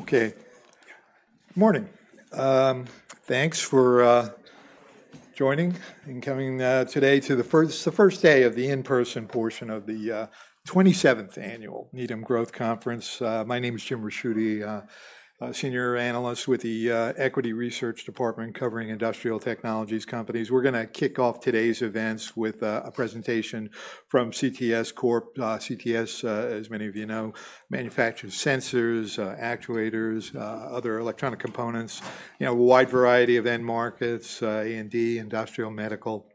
Okay. Good morning. Thanks for joining and coming today to the first day of the in-person portion of the 27th Annual Needham Growth Conference. My name is Jim Ricchiuti, Senior Analyst with the Equity Research Department covering industrial technologies companies. We're going to kick off today's events with a presentation from CTS Corp, CTS. As many of you know, CTS manufactures sensors, actuators, other electronic components, you know, a wide variety of end markets, A&D, industrial, medical,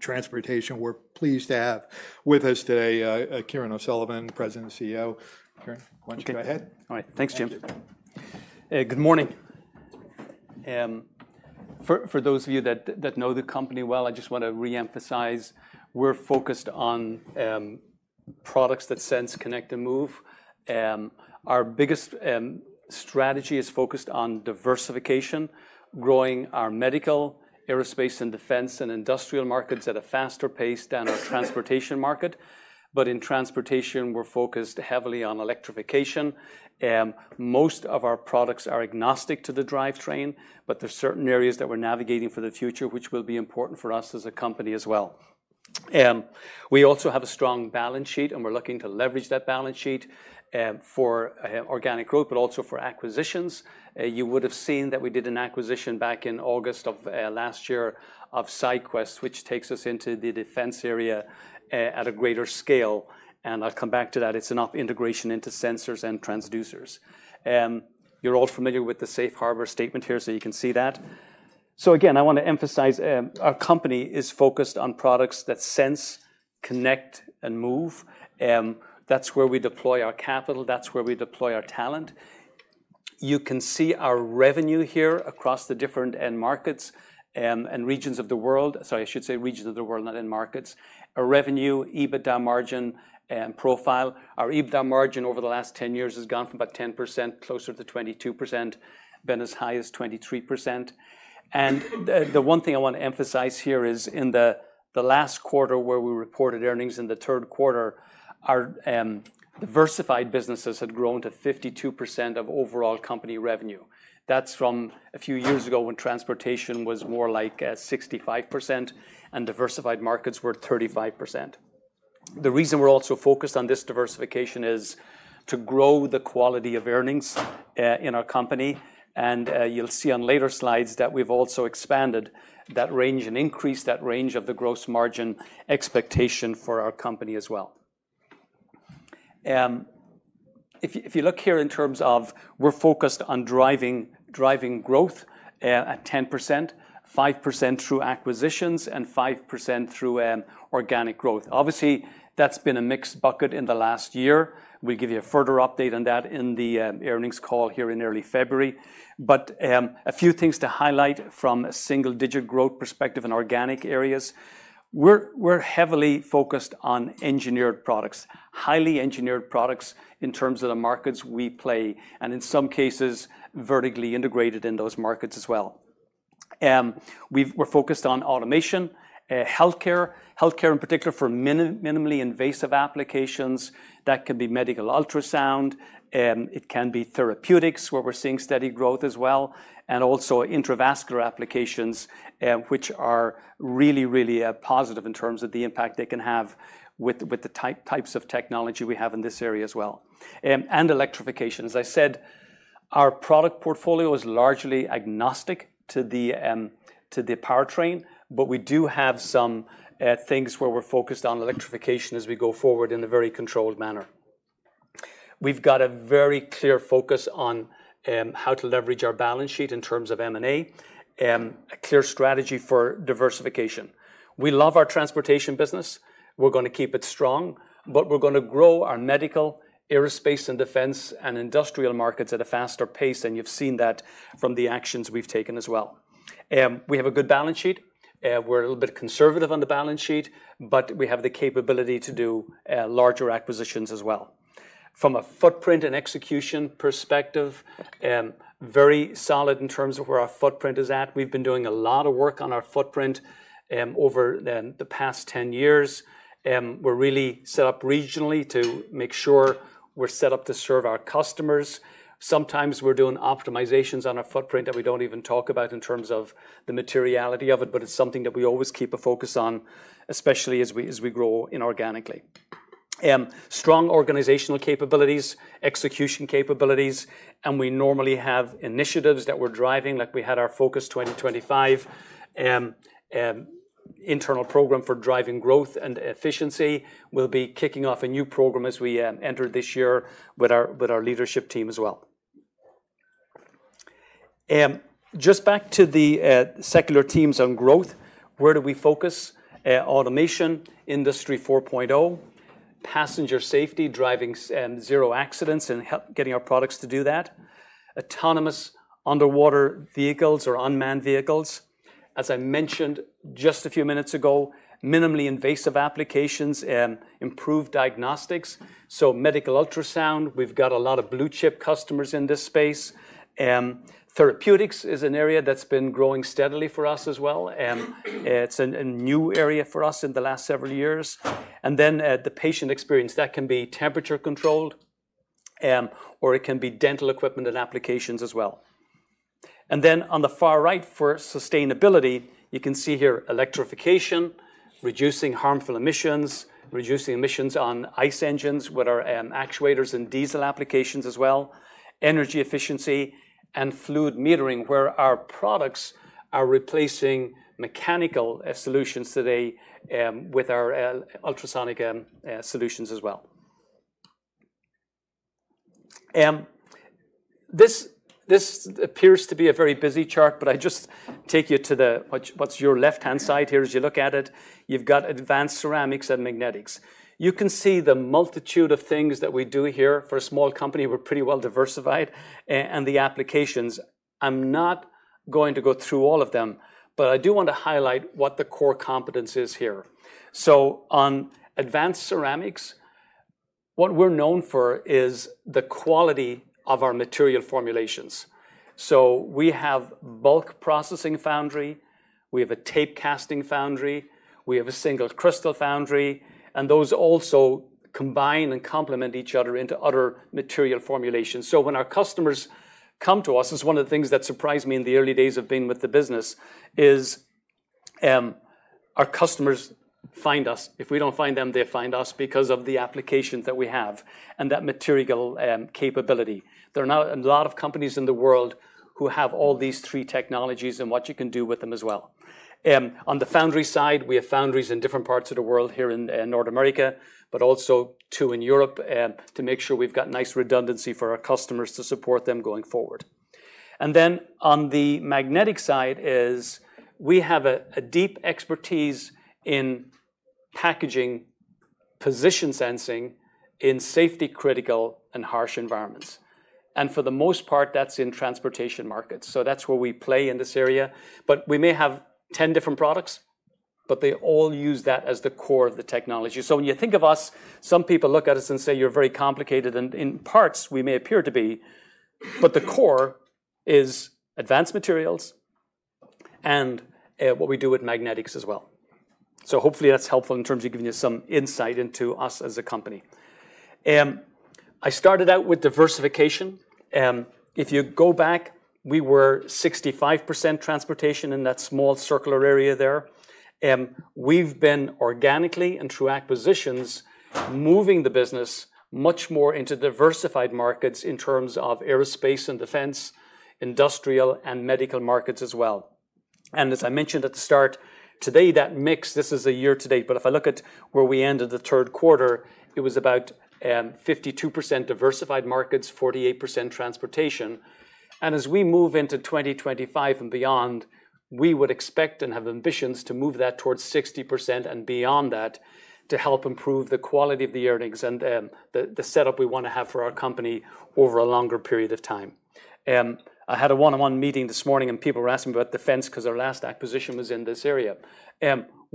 transportation. We're pleased to have with us today Kieran O'Sullivan, President and CEO. Kieran, why don't you go ahead? All right. Thanks, Jim. Good morning. For those of you that know the company well, I just want to reemphasize we're focused on products that sense, connect, and move. Our biggest strategy is focused on diversification, growing our medical, aerospace, and defense and industrial markets at a faster pace than our transportation market, but in transportation, we're focused heavily on electrification. Most of our products are agnostic to the drivetrain, but there are certain areas that we're navigating for the future, which will be important for us as a company as well. We also have a strong balance sheet, and we're looking to leverage that balance sheet for organic growth, but also for acquisitions. You would have seen that we did an acquisition back in August of last year of SyQwest, which takes us into the defense area at a greater scale, and I'll come back to that. It's an integration into sensors and transducers. You're all familiar with the Safe Harbor statement here, so you can see that. So again, I want to emphasize, our company is focused on products that sense, connect, and move. That's where we deploy our capital. That's where we deploy our talent. You can see our revenue here across the different end markets and regions of the world. Sorry, I should say regions of the world, not end markets. Our revenue, EBITDA margin, and profile. Our EBITDA margin over the last 10 years has gone from about 10% closer to 22%, been as high as 23%. And the one thing I want to emphasize here is in the last quarter where we reported earnings in the third quarter, our diversified businesses had grown to 52% of overall company revenue. That's from a few years ago when transportation was more like 65% and diversified markets were 35%. The reason we're also focused on this diversification is to grow the quality of earnings in our company. And you'll see on later slides that we've also expanded that range and increased that range of the gross margin expectation for our company as well. If you look here in terms of we're focused on driving, driving growth at 10%, 5% through acquisitions and 5% through organic growth. Obviously, that's been a mixed bucket in the last year. We'll give you a further update on that in the earnings call here in early February. But a few things to highlight from a single-digit growth perspective in organic areas. We're heavily focused on engineered products, highly engineered products in terms of the markets we play and in some cases vertically integrated in those markets as well. We've focused on automation, healthcare in particular for minimally invasive applications that can be medical ultrasound. It can be therapeutics where we're seeing steady growth as well, and also intravascular applications, which are really positive in terms of the impact they can have with the types of technology we have in this area as well, and electrification. As I said, our product portfolio is largely agnostic to the powertrain, but we do have some things where we're focused on electrification as we go forward in a very controlled manner. We've got a very clear focus on how to leverage our balance sheet in terms of M&A, a clear strategy for diversification. We love our transportation business. We're going to keep it strong, but we're going to grow our medical, aerospace, and defense and industrial markets at a faster pace, and you've seen that from the actions we've taken as well. We have a good balance sheet. We're a little bit conservative on the balance sheet, but we have the capability to do larger acquisitions as well. From a footprint and execution perspective, very solid in terms of where our footprint is at. We've been doing a lot of work on our footprint over the past ten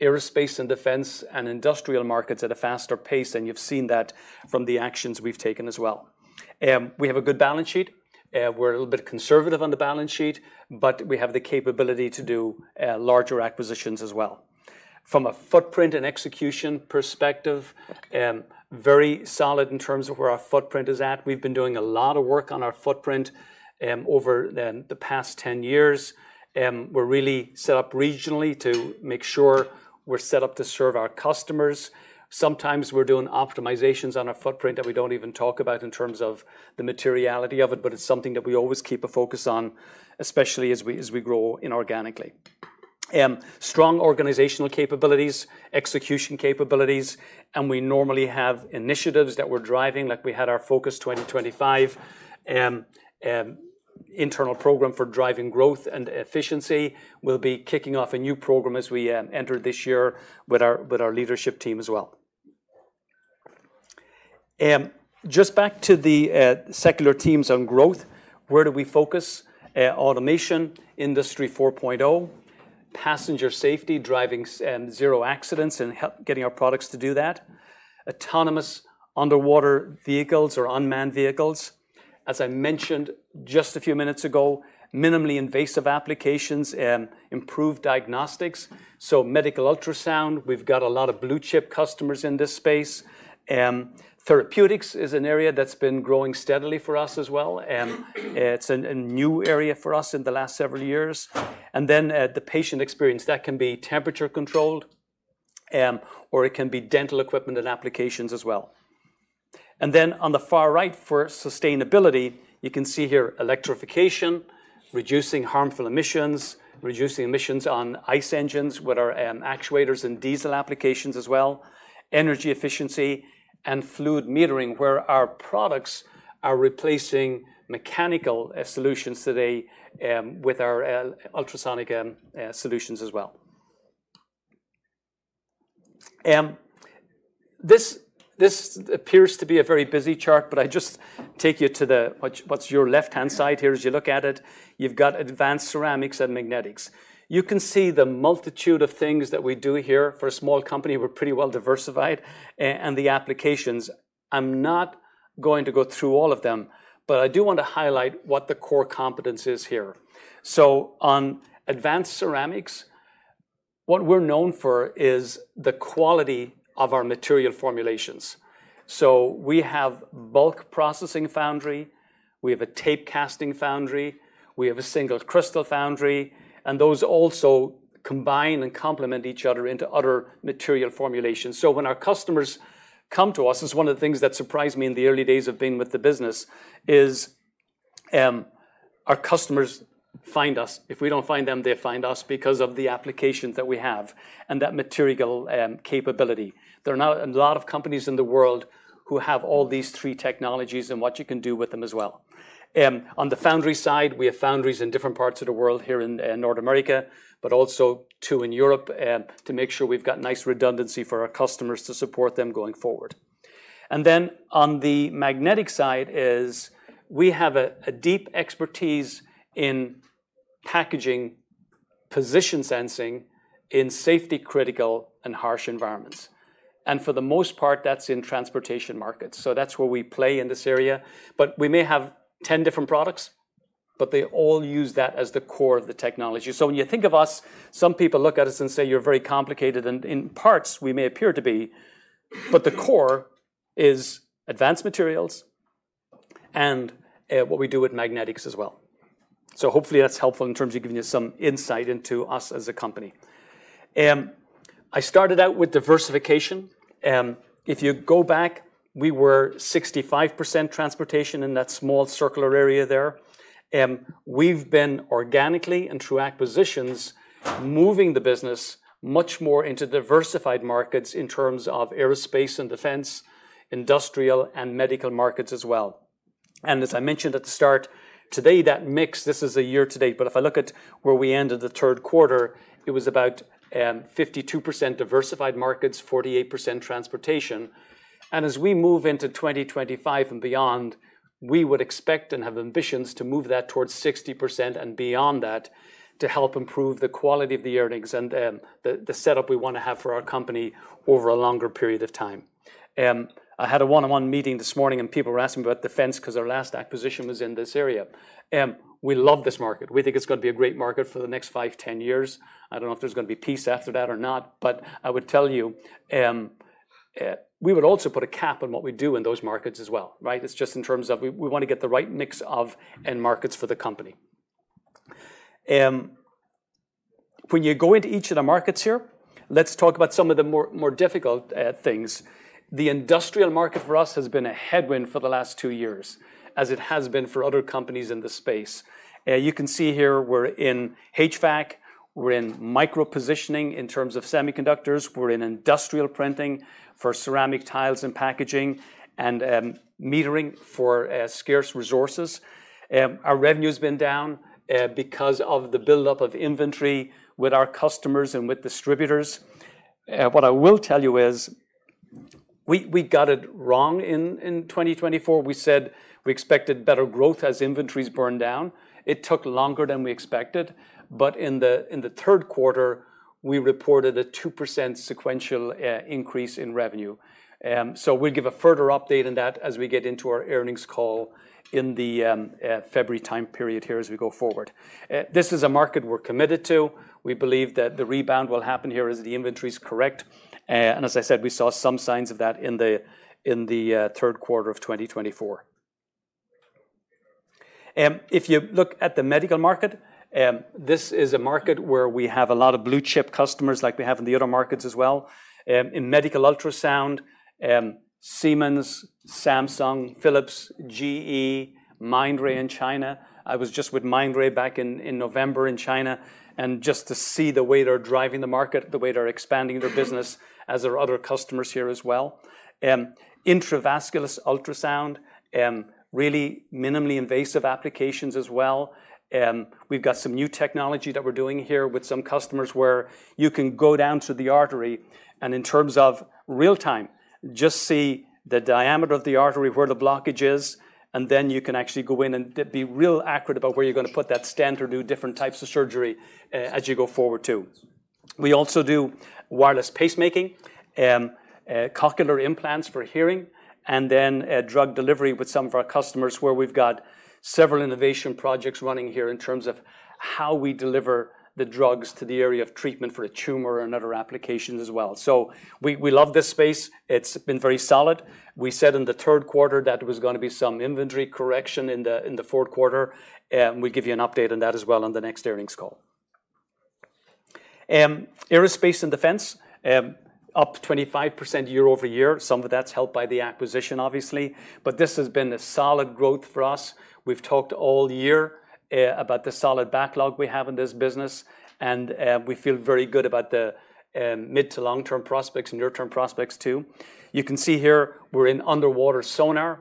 years. We're really set up regionally to make sure we're set up to serve our customers. Sometimes we're doing optimizations on our footprint that we don't even talk about in terms of the materiality of it, but it's something that we always keep a focus on, especially as we grow inorganically. Strong organizational capabilities, execution capabilities, and we normally have initiatives that we're driving, like we had our Focus 2025, internal program for driving growth and efficiency. We'll be kicking off a new program as we enter this year with our leadership team as well. Just back to the secular themes on growth, where do we focus? Automation, Industry 4.0, passenger safety, driving zero accidents and help getting our products to do that. Autonomous underwater vehicles or unmanned vehicles. As I mentioned just a few minutes ago, minimally invasive applications and improved diagnostics. So, medical ultrasound, we've got a lot of blue chip customers in this space. Therapeutics is an area that's been growing steadily for us as well. It's a new area for us in the last several years. And then, the patient experience that can be temperature controlled, or it can be dental equipment and applications as well. And then on the far right for sustainability, you can see here electrification, reducing harmful emissions, reducing emissions on ICE engines with our actuators and diesel applications as well. Energy efficiency and fluid metering where our products are replacing mechanical solutions today, with our ultrasonic solutions as well. This appears to be a very busy chart, but I just take you to the what's your left-hand side here as you look at it. You've got advanced ceramics and magnetics. You can see the multitude of things that we do here for a small company. We're pretty well diversified, and the applications. I'm not going to go through all of them, but I do want to highlight what the core competence is here. On advanced ceramics, what we're known for is the quality of our material formulations. We have bulk processing foundry, we have a tape casting foundry, we have a single crystal foundry, and those also combine and complement each other into other material formulations. When our customers come to us, it's one of the things that surprised me in the early days of being with the business: our customers find us. If we don't find them, they find us because of the applications that we have and that material capability. There are not a lot of companies in the world who have all these three technologies and what you can do with them as well. On the foundry side, we have foundries in different parts of the world here in North America, but also two in Europe, to make sure we've got nice redundancy for our customers to support them going forward. And then on the magnetic side, we have a deep expertise in packaging position sensing in safety-critical and harsh environments. And for the most part, that's in transportation markets. So that's where we play in this area. But we may have ten different products, but they all use that as the core of the technology. So when you think of us, some people look at us and say, "You're very complicated," and in parts we may appear to be, but the core is advanced materials and what we do with magnetics as well. So hopefully that's helpful in terms of giving you some insight into us as a company. I started out with diversification. If you go back, we were 65% transportation in that small circular area there. We've been organically and through acquisitions moving the business much more into diversified markets in terms of aerospace and defense, industrial and medical markets as well. As I mentioned at the start today, that mix, this is a year to date, but if I look at where we ended the third quarter, it was about 52% diversified markets, 48% transportation. As we move into 2025 and beyond, we would expect and have ambitions to move that towards 60% and beyond that to help improve the quality of the earnings and the setup we want to have for our company over a longer period of time. I had a one-on-one meeting this morning and people were asking me about defense because our last acquisition was in this area. We love this market. We think it's going to be a great market for the next five, ten years. I don't know if there's going to be peace after that or not, but I would tell you, we would also put a cap on what we do in those markets as well, right? It's just in terms of we, we want to get the right mix of end markets for the company. When you go into each of the markets here, let's talk about some of the more, more difficult, things. The industrial market for us has been a headwind for the last two years, as it has been for other companies in the space. You can see here we're in HVAC, we're in micro-positioning in terms of semiconductors, we're in industrial printing for ceramic tiles and packaging, and metering for scarce resources. Our revenue has been down because of the buildup of inventory with our customers and with distributors. What I will tell you is we got it wrong in 2024. We said we expected better growth as inventories burned down. It took longer than we expected. But in the third quarter, we reported a 2% sequential increase in revenue. So we'll give a further update on that as we get into our earnings call in the February time period here as we go forward. This is a market we're committed to. We believe that the rebound will happen here as the inventory is correct. And as I said, we saw some signs of that in the third quarter of 2024. If you look at the medical market, this is a market where we have a lot of blue chip customers like we have in the other markets as well. In medical ultrasound, Siemens, Samsung, Philips, GE, Mindray in China. I was just with Mindray back in November in China and just to see the way they're driving the market, the way they're expanding their business as there are other customers here as well. Intravascular ultrasound, really minimally invasive applications as well. We've got some new technology that we're doing here with some customers where you can go down to the artery and in terms of real time, just see the diameter of the artery, where the blockage is, and then you can actually go in and be real accurate about where you're going to put that stent or do different types of surgery, as you go forward too. We also do wireless pacemaking, cochlear implants for hearing, and then, drug delivery with some of our customers where we've got several innovation projects running here in terms of how we deliver the drugs to the area of treatment for a tumor and other applications as well. So we, we love this space. It's been very solid. We said in the third quarter that was going to be some inventory correction in the, in the fourth quarter. We'll give you an update on that as well on the next earnings call. Aerospace and Defense, up 25% year over year. Some of that's helped by the acquisition, obviously, but this has been a solid growth for us. We've talked all year, about the solid backlog we have in this business, and, we feel very good about the, mid to long-term prospects and near-term prospects too. You can see here we're in underwater sonar,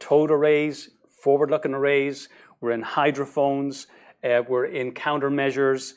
towed arrays, forward-looking arrays. We're in hydrophones, we're in countermeasures,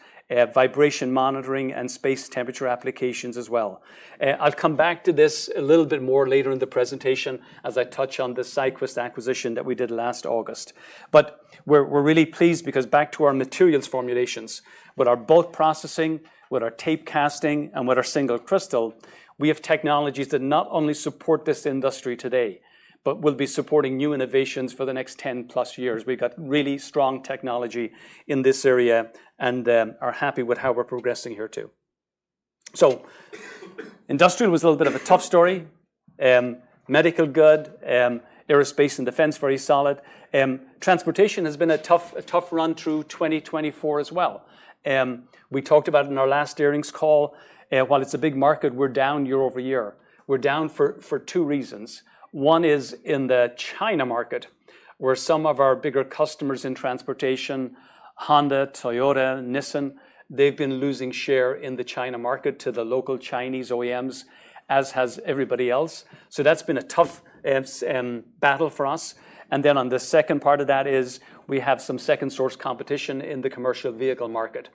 vibration monitoring, and space temperature applications as well. I'll come back to this a little bit more later in the presentation as I touch on the SyQwest acquisition that we did last August. But we're really pleased because back to our materials formulations, with our bulk processing, with our tape casting, and with our single crystal, we have technologies that not only support this industry today, but will be supporting new innovations for the next ten plus years. We've got really strong technology in this area and are happy with how we're progressing here too. Industrial was a little bit of a tough story. Medical good, Aerospace and Defense very solid. Transportation has been a tough, a tough run through 2024 as well. We talked about it in our last earnings call. While it's a big market, we're down year over year. We're down for two reasons. One is in the China market where some of our bigger customers in transportation, Honda, Toyota, Nissan, they've been losing share in the China market to the local Chinese OEMs, as has everybody else. So that's been a tough battle for us. And then on the second part of that is we have some second source competition in the commercial vehicle market.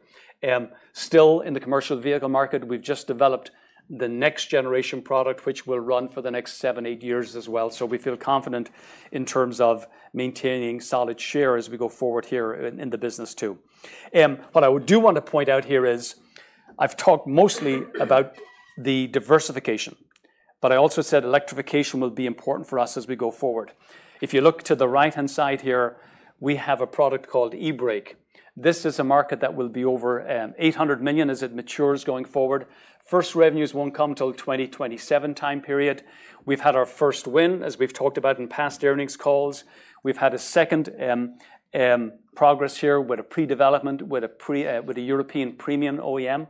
Still in the commercial vehicle market, we've just developed the next generation product, which will run for the next seven-eight years as well. So we feel confident in terms of maintaining solid share as we go forward here in the business too. What I do want to point out here is I've talked mostly about the diversification, but I also said electrification will be important for us as we go forward. If you look to the right-hand side here, we have a product called eBrake. This is a market that will be over $800 million as it matures going forward. First revenues won't come until the 2027 time period. We've had our first win, as we've talked about in past earnings calls. We've had a second progress here with a pre-development with a European premium OEM,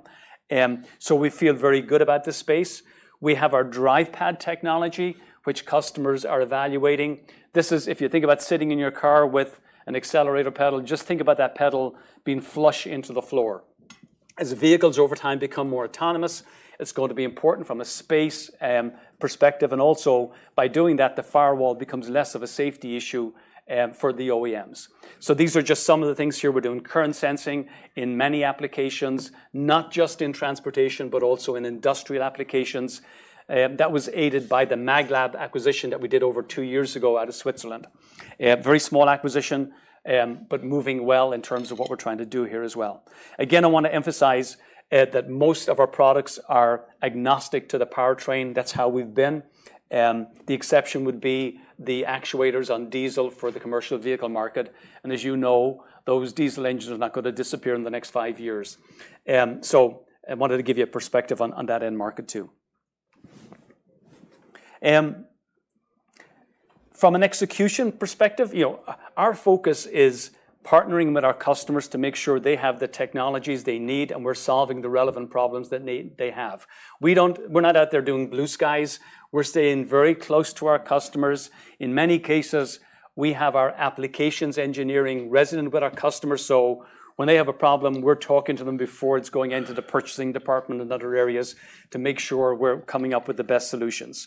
so we feel very good about this space. We have our DrivePad technology, which customers are evaluating. This is, if you think about sitting in your car with an accelerator pedal, just think about that pedal being flush into the floor. As vehicles over time become more autonomous, it's going to be important from a space perspective, and also by doing that, the firewall becomes less of a safety issue for the OEMs. So these are just some of the things here we're doing. Current sensing in many applications, not just in transportation, but also in industrial applications, that was aided by the MagLab acquisition that we did over two years ago out of Switzerland. Very small acquisition, but moving well in terms of what we're trying to do here as well. Again, I want to emphasize that most of our products are agnostic to the powertrain. That's how we've been. The exception would be the actuators on diesel for the commercial vehicle market, and as you know, those diesel engines are not going to disappear in the next five years. So I wanted to give you a perspective on that end market too. From an execution perspective, you know, our focus is partnering with our customers to make sure they have the technologies they need, and we're solving the relevant problems that they have. We don't, we're not out there doing blue skies. We're staying very close to our customers. In many cases, we have our applications engineering resident with our customers. So when they have a problem, we're talking to them before it's going into the purchasing department and other areas to make sure we're coming up with the best solutions.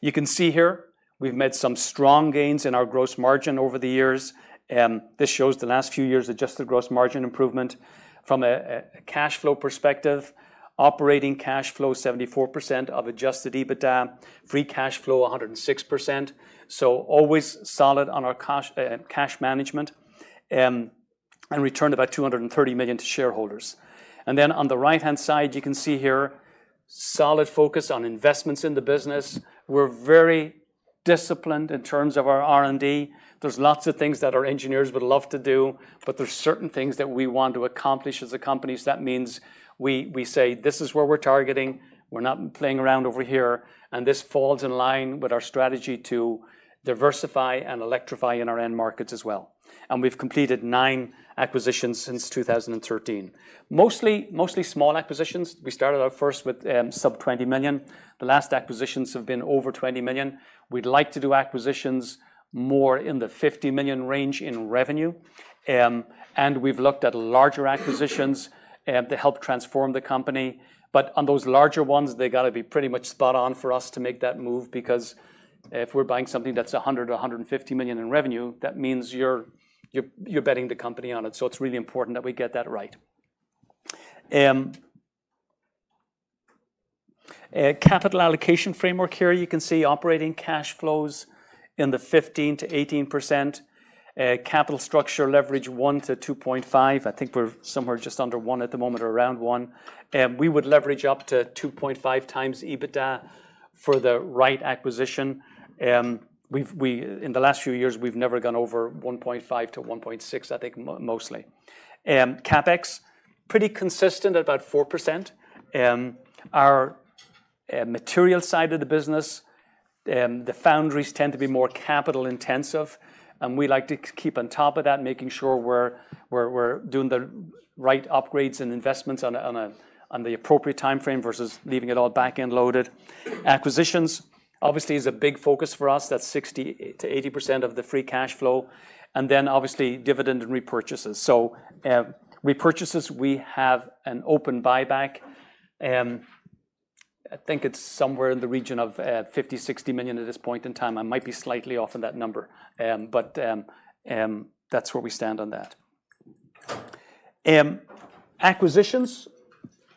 You can see here we've made some strong gains in our gross margin over the years. This shows the last few years adjusted gross margin improvement. From a cash flow perspective, operating cash flow 74% of adjusted EBITDA, free cash flow 106%. So always solid on our cash, cash management, and returned about $230 million to shareholders. And then on the right-hand side, you can see here solid focus on investments in the business. We're very disciplined in terms of our R&D. There's lots of things that our engineers would love to do, but there's certain things that we want to accomplish as a company. So that means we say this is where we're targeting. We're not playing around over here. And this falls in line with our strategy to diversify and electrify in our end markets as well. And we've completed nine acquisitions since 2013. Mostly, mostly small acquisitions. We started out first with sub-$20 million. The last acquisitions have been over $20 million. We'd like to do acquisitions more in the $50 million range in revenue. And we've looked at larger acquisitions, to help transform the company. But on those larger ones, they got to be pretty much spot on for us to make that move because if we're buying something that's $100-$150 million in revenue, that means you're betting the company on it. So it's really important that we get that right. Capital allocation framework here. You can see operating cash flows in the 15%-18%. Capital structure leverage 1-2.5. I think we're somewhere just under 1 at the moment or around 1. We would leverage up to 2.5 times EBITDA for the right acquisition. We in the last few years, we've never gone over 1.5-1.6, I think, mostly. CapEx pretty consistent at about 4%. Our material side of the business, the foundries, tend to be more capital intensive. We like to keep on top of that, making sure we're doing the right upgrades and investments on the appropriate time frame versus leaving it all back and loaded. Acquisitions, obviously, is a big focus for us. That's 60%-80% of the free cash flow. And then obviously dividend and repurchases. So, repurchases, we have an open buyback. I think it's somewhere in the region of $50-$60 million at this point in time. I might be slightly off on that number. But, that's where we stand on that. Acquisitions,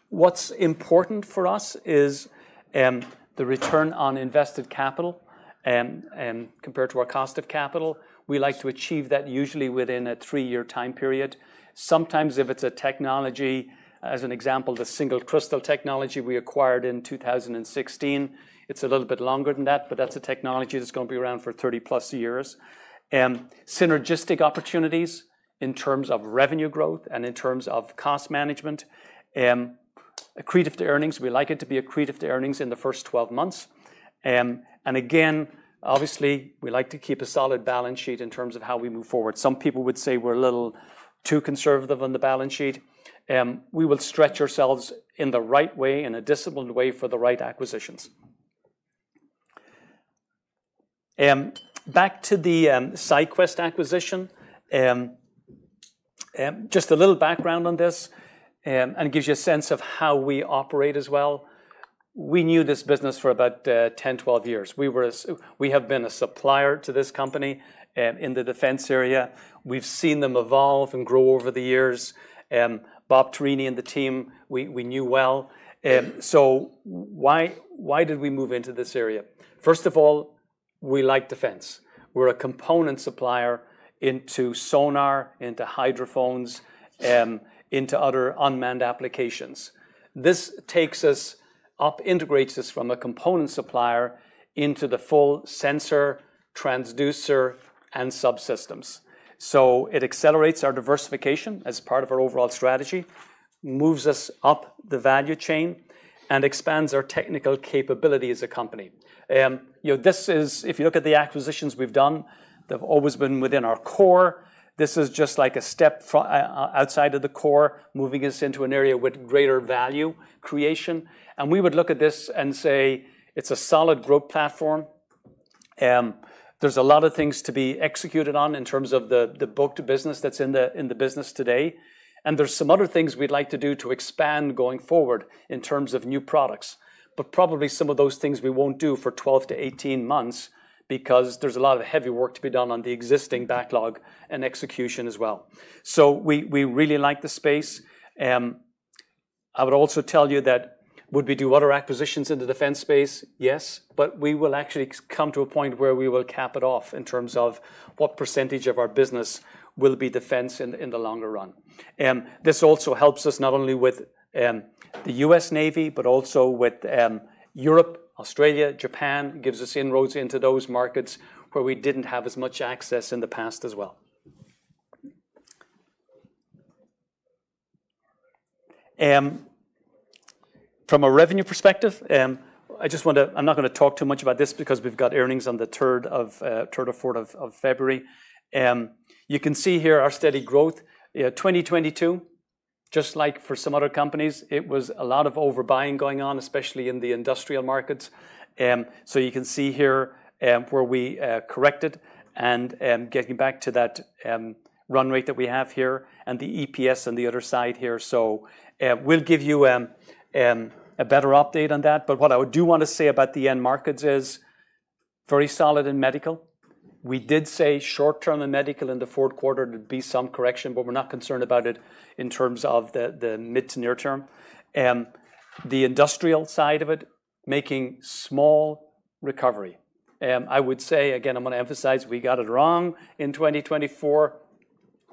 what's important for us is the return on invested capital, compared to our cost of capital. We like to achieve that usually within a three-year time period. Sometimes if it's a technology, as an example, the single crystal technology we acquired in 2016, it's a little bit longer than that, but that's a technology that's going to be around for 30 plus years. Synergistic opportunities in terms of revenue growth and in terms of cost management. Accretive to earnings. We like it to be accretive to earnings in the first 12 months. And again, obviously, we like to keep a solid balance sheet in terms of how we move forward. Some people would say we're a little too conservative on the balance sheet. We will stretch ourselves in the right way, in a disciplined way for the right acquisitions. Back to the SyQwest acquisition. Just a little background on this, and it gives you a sense of how we operate as well. We knew this business for about 10, 12 years. We have been a supplier to this company in the defense area. We've seen them evolve and grow over the years. Bob Tarini and the team we knew well, so why did we move into this area? First of all, we like defense. We're a component supplier into sonar, into hydrophones, into other unmanned applications. This takes us up, integrates us from a component supplier into the full sensor, transducer, and subsystems. So it accelerates our diversification as part of our overall strategy, moves us up the value chain, and expands our technical capability as a company. You know, if you look at the acquisitions we've done, they've always been within our core. This is just like a step from outside of the core, moving us into an area with greater value creation. We would look at this and say it's a solid growth platform. There's a lot of things to be executed on in terms of the, the book of business that's in the, in the business today. There's some other things we'd like to do to expand going forward in terms of new products, but probably some of those things we won't do for 12-18 months because there's a lot of heavy work to be done on the existing backlog and execution as well. We really like the space. I would also tell you that, would we do other acquisitions in the defense space? Yes, but we will actually come to a point where we will cap it off in terms of what percentage of our business will be defense in the longer run. This also helps us not only with the U.S. Navy, but also with Europe, Australia, Japan, gives us inroads into those markets where we didn't have as much access in the past as well. From a revenue perspective, I just want to, I'm not going to talk too much about this because we've got earnings on the third or fourth of February. You can see here our steady growth, 2022, just like for some other companies, it was a lot of overbuying going on, especially in the industrial markets. So you can see here where we corrected and getting back to that run rate that we have here and the EPS on the other side here. So we'll give you a better update on that. But what I do want to say about the end markets is very solid in medical. We did say short term in medical in the fourth quarter there'd be some correction, but we're not concerned about it in terms of the mid to near term. The industrial side of it making small recovery. I would say, again, I'm going to emphasize we got it wrong in 2024.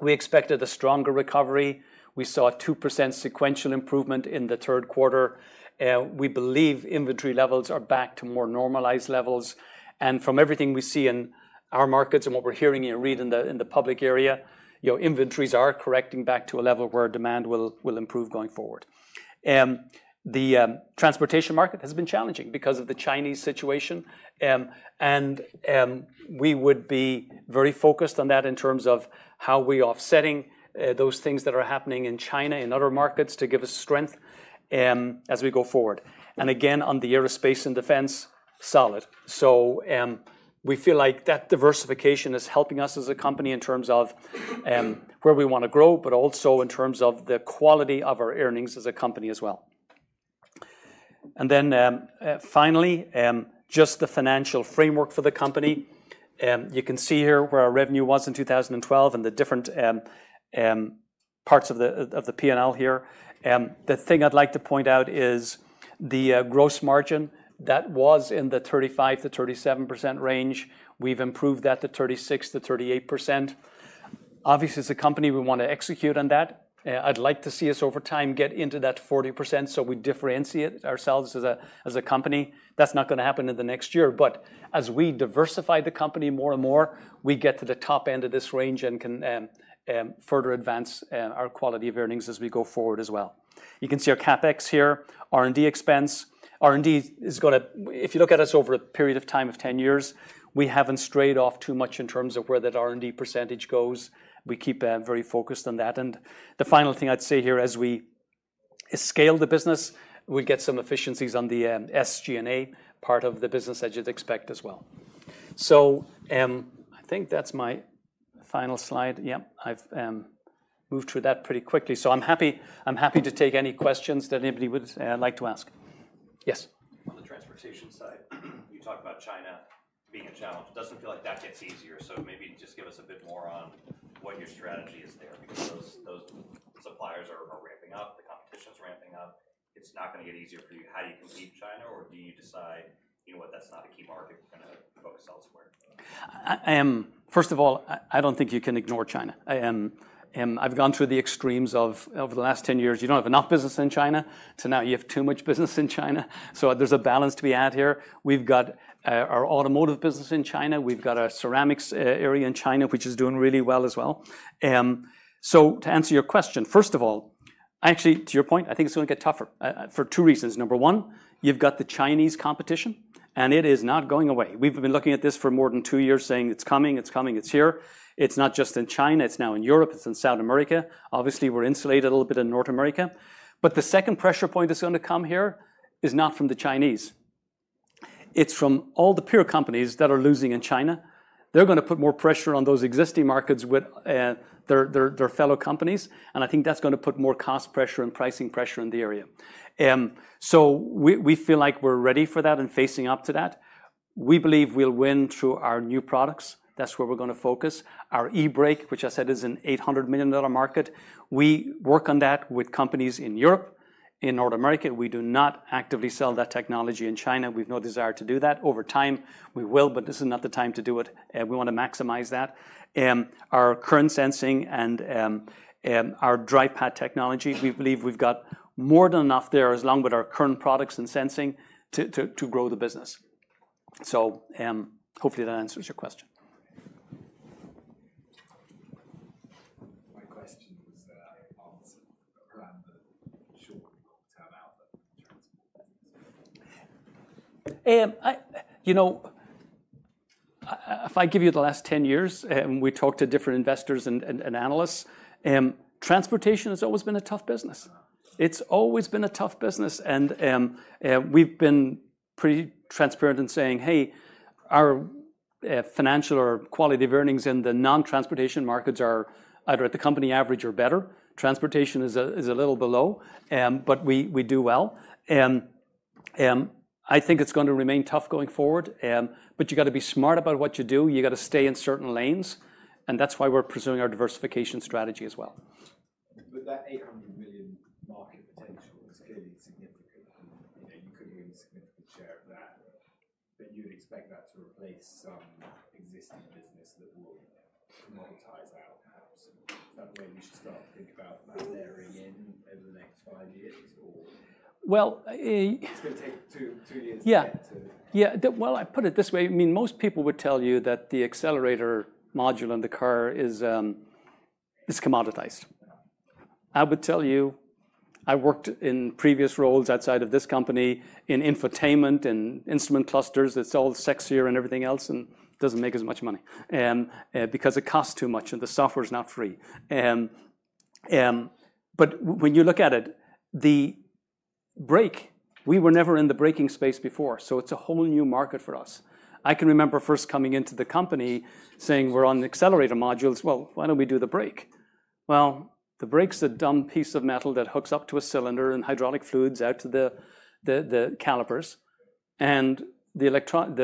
We expected a stronger recovery. We saw a 2% sequential improvement in the third quarter. We believe inventory levels are back to more normalized levels. And from everything we see in our markets and what we're hearing and reading in the public area, you know, inventories are correcting back to a level where demand will improve going forward. The transportation market has been challenging because of the Chinese situation. And, we would be very focused on that in terms of how we are offsetting those things that are happening in China in other markets to give us strength as we go forward. And again, on the Aerospace and Defense, solid. So, we feel like that diversification is helping us as a company in terms of where we want to grow, but also in terms of the quality of our earnings as a company as well. And then, finally, just the financial framework for the company. You can see here where our revenue was in 2012 and the different further advance our quality of earnings as we go forward as well. You can see our CapEx here, R&D expense. R&D is going to. If you look at us over a period of time of 10 years, we haven't strayed off too much in terms of where that R&D percentage goes. We keep very focused on that, and the final thing I'd say here, as we scale the business, we'll get some efficiencies on the SG&A part of the business as you'd expect as well, so I think that's my final slide. Yep. I've moved through that pretty quickly, so I'm happy, I'm happy to take any questions that anybody would like to ask. Yes. On the transportation side, you talk about China being a challenge. It doesn't feel like that gets easier, so maybe just give us a bit more on what your strategy is there because those suppliers are ramping up, the competition's ramping up. It's not going to get easier for you. How do you compete with China or do you decide, you know what, that's not a key market, we're going to focus elsewhere? First of all, I don't think you can ignore China. I am, I've gone through the extremes of, over the last 10 years, you don't have enough business in China to now you have too much business in China. So there's a balance to be had here. We've got our automotive business in China. We've got our ceramics area in China, which is doing really well as well, so to answer your question, first of all, actually to your point, I think it's going to get tougher, for two reasons. Number one, you've got the Chinese competition and it is not going away. We've been looking at this for more than two years saying it's coming, it's coming, it's here. It's not just in China, it's now in Europe, it's in South America. Obviously, we're insulated a little bit in North America. But the second pressure point that's going to come here is not from the Chinese. It's from all the peer companies that are losing in China. They're going to put more pressure on those existing markets with their fellow companies. And I think that's going to put more cost pressure and pricing pressure in the area. So we feel like we're ready for that and facing up to that. We believe we'll win through our new products. That's where we're going to focus. Our eBrake, which I said is an $800 million market. We work on that with companies in Europe, in North America. We do not actively sell that technology in China. We've no desire to do that. Over time, we will, but this is not the time to do it. We want to maximize that. Our current sensing and our Drive Pad technology, we believe we've got more than enough there along with our current products and sensing to grow the business. So, hopefully that answers your question. My question was that I also around the short term output. If I give you the last 10 years, we talked to different investors and analysts. Transportation has always been a tough business. It's always been a tough business. We've been pretty transparent in saying, hey, our financial or quality of earnings in the non-transportation markets are either at the company average or better. Transportation is a little below. But we do well. I think it's going to remain tough going forward. but you got to be smart about what you do. You got to stay in certain lanes. And that's why we're pursuing our diversification strategy as well. With that $800 million market potential, it's clearly significant. You know, you couldn't win a significant share of that, but you'd expect that to replace some existing business that will monetize out perhaps. Is that the way we should start to think about that? They're in over the next five years or? Well, it's going to take two years to get to. Yeah. Yeah. Well, I put it this way. I mean, most people would tell you that the accelerator module in the car is commoditized. I would tell you, I worked in previous roles outside of this company in infotainment and instrument clusters, that's all sexier and everything else and doesn't make as much money. Because it costs too much and the software's not free. But when you look at it, the brake, we were never in the braking space before. So it's a whole new market for us. I can remember first coming into the company saying we're on accelerator modules. Well, why don't we do the brake? Well, the brake's a dumb piece of metal that hooks up to a cylinder and hydraulic fluids out to the calipers. And the electronic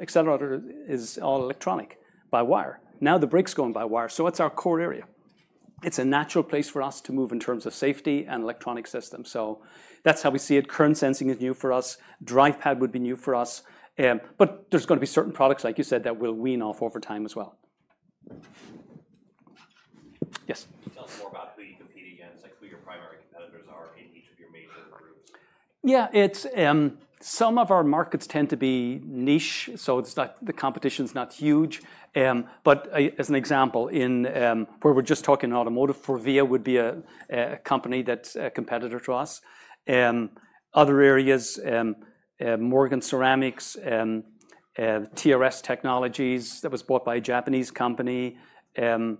accelerator is all electronic by-wire. Now the brake's going by-wire. So it's our core area. It's a natural place for us to move in terms of safety and electronic systems. So that's how we see it. Current sensing is new for us. Drive Pad would be new for us. But there's going to be certain products, like you said, that will wean off over time as well. Yes. Tell us more about who you compete against, like who your primary competitors are in each of your major groups. Yeah, it's, some of our markets tend to be niche. So it's not, the competition's not huge. But as an example in, where we're just talking automotive, Forvia would be a, a company that's a competitor to us. Other areas, Morgan Ceramics, TRS Technologies that was bought by a Japanese company. A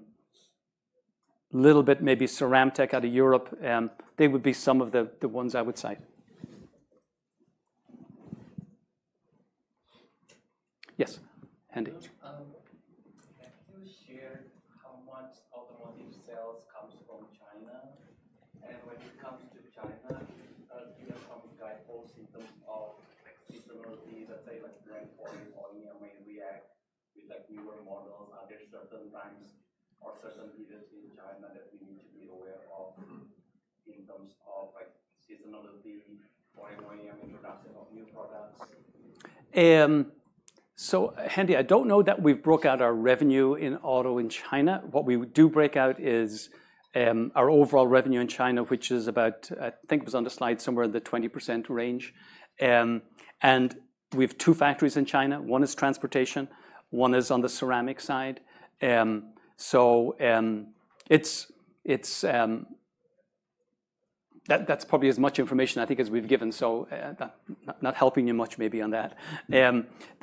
little bit maybe CeramTec out of Europe. They would be some of the, the ones I would cite. Yes, Hendi. Can you share how much automotive sales comes from China? And when it comes to China, do you have some guideposts in terms of like seasonality, let's say like brand forwarding only, or may react with like newer models? Are there certain times or certain periods in China that we need to be aware of in terms of like seasonality, forwarding, or introduction of new products? So, Handy, I don't know that we've broke out our revenue in auto in China. What we do break out is our overall revenue in China, which is about, I think it was on the slide somewhere in the 20% range. We have two factories in China. One is transportation, one is on the ceramic side. So, it's that that's probably as much information I think as we've given. Not helping you much maybe on that.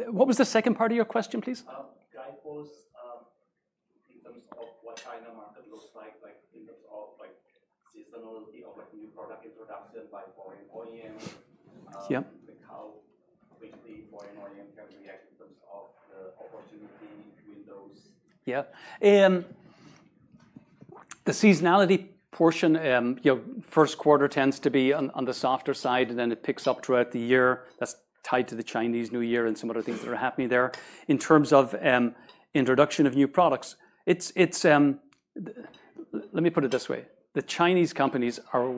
What was the second part of your question, please? In terms of what China market looks like, like in terms of like seasonality of like new product introduction by forwarding OEMs. Like how quickly forward-looking OEMs can react in terms of the opportunity windows. Yeah. The seasonality portion, you know, first quarter tends to be on the softer side and then it picks up throughout the year. That's tied to the Chinese New Year and some other things that are happening there. In terms of introduction of new products, it's let me put it this way. The Chinese companies are,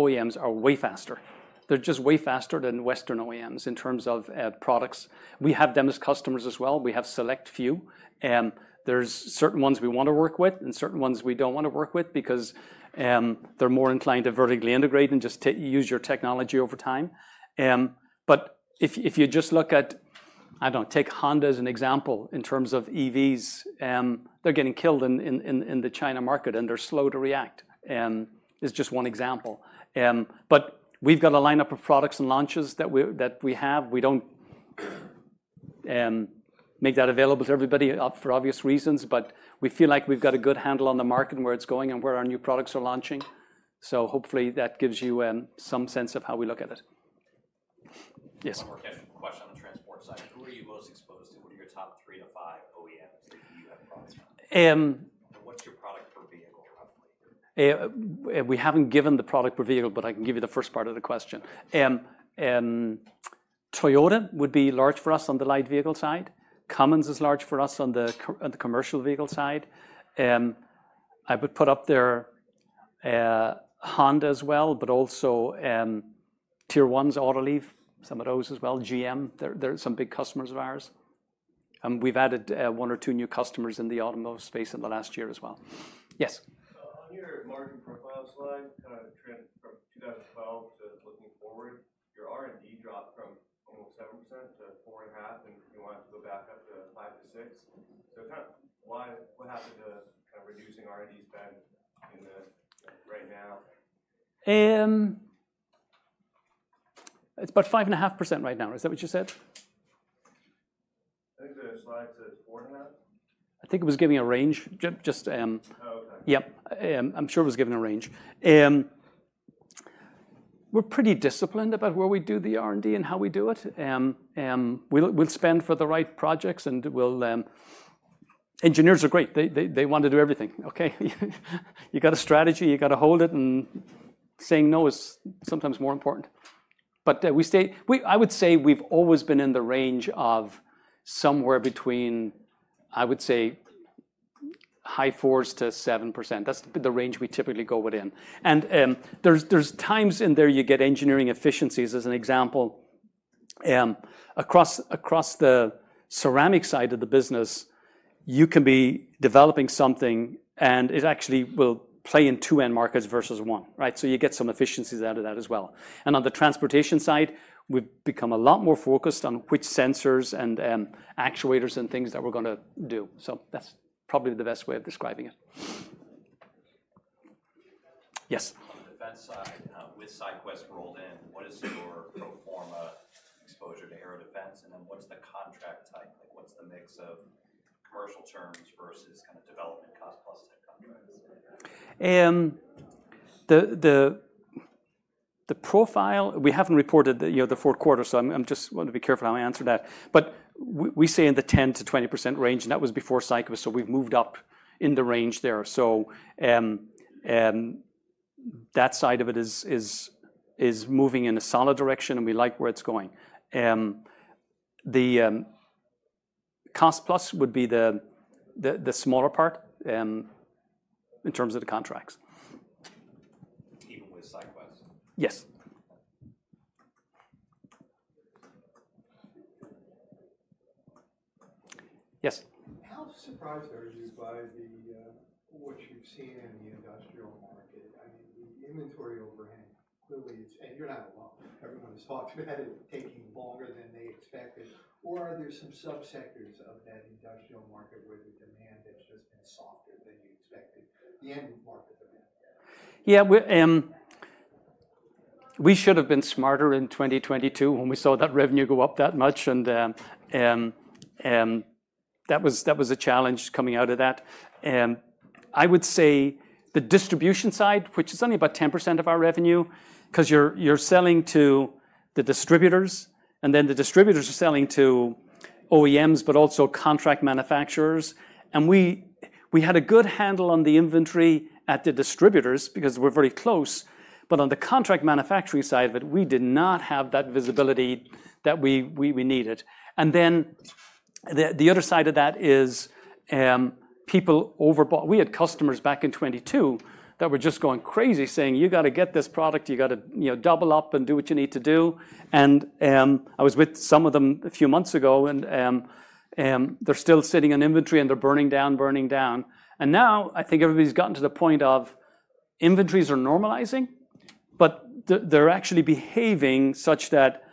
OEMs are way faster. They're just way faster than Western OEMs in terms of products. We have them as customers as well. We have select few. There's certain ones we want to work with and certain ones we don't want to work with because they're more inclined to vertically integrate and just use your technology over time. But if you just look at, I don't know, take Honda as an example in terms of EVs, they're getting killed in the China market and they're slow to react. It's just one example. But we've got a lineup of products and launches that we have. We don't make that available to everybody for obvious reasons, but we feel like we've got a good handle on the market and where it's going and where our new products are launching. So hopefully that gives you some sense of how we look at it. Yes. Question on the transport side. Who are you most exposed to? What are your top three to five OEMs that you have products from? What's your product per vehicle roughly? We haven't given the product per vehicle, but I can give you the first part of the question. Toyota would be large for us on the light vehicle side. Cummins is large for us on the commercial vehicle side. I would put up there Honda as well, but also Tier 1s Autoliv, some of those as well. GM, they're some big customers of ours. We've added one or two new customers in the automotive space in the last year as well. Yes. So on your margin profile slide, kind of trend from 2012 to looking forward, your R&D dropped from almost 7%-4.5% and you wanted to go back up to 5%-6%. So kind of why, what happened to kind of reducing R&D spend in the right now? It's about 5.5% right now. Is that what you said? I think the slide says 4.5%. I think it was giving a range. Just, yeah, I'm sure it was giving a range. We're pretty disciplined about where we do the R&D and how we do it. We'll spend for the right projects and we'll, engineers are great. They want to do everything. Okay. You got a strategy, you got to hold it and saying no is sometimes more important. But we stay, I would say we've always been in the range of somewhere between, I would say high fours to 7%. That's the range we typically go within. And, there are times in there you get engineering efficiencies as an example. Across the ceramic side of the business, you can be developing something and it actually will play in two end markets versus one, right? So you get some efficiencies out of that as well. And on the transportation side, we've become a lot more focused on which sensors and actuators and things that we're going to do. So that's probably the best way of describing it. Yes. On the defense side, with SyQwest rolled in, what is your pro forma exposure to A&D? And then what's the contract type? Like what's the mix of commercial terms versus kind of development cost plus type contracts? The profile, we haven't reported the fourth quarter, you know, so I'm just wanting to be careful how I answer that. But we stay in the 10%-20% range and that was before SyQwest. So we've moved up in the range there. So that side of it is moving in a solid direction and we like where it's going. The cost plus would be the smaller part, in terms of the contracts. Even with SyQwest? Yes. Yes. How surprised are you by what you've seen in the industrial market? I mean, the inventory overhang clearly, and you're not alone. Everyone has talked about it taking longer than they expected. Or are there some subsectors of that industrial market where the demand has just been softer than you expected? The end market demand. Yeah, we should have been smarter in 2022 when we saw that revenue go up that much. And that was a challenge coming out of that. I would say the distribution side, which is only about 10% of our revenue, because you're selling to the distributors and then the distributors are selling to OEMs, but also contract manufacturers. And we had a good handle on the inventory at the distributors because we're very close. But on the contract manufacturing side of it, we did not have that visibility that we needed. And then the other side of that is, people overbought. We had customers back in 2022 that were just going crazy saying, you got to get this product, you got to, you know, double up and do what you need to do. And I was with some of them a few months ago and they're still sitting on inventory and they're burning down. And now I think everybody's gotten to the point of inventories are normalizing, but they're actually behaving such that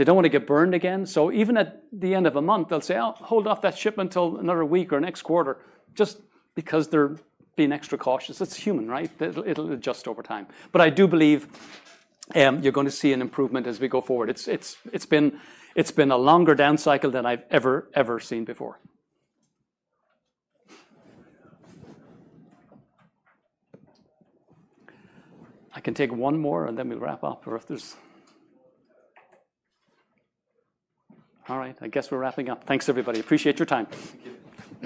they don't want to get burned again. So even at the end of a month, they'll say, oh, hold off that shipment until another week or next quarter, just because they're being extra cautious. It's human, right? It'll adjust over time. But I do believe you're going to see an improvement as we go forward. It's been a longer down cycle than I've ever seen before. I can take one more and then we'll wrap up or if there's. All right. I guess we're wrapping up. Thanks everybody. Appreciate your time. Thank you.